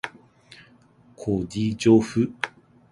こ ｄ じょ ｆ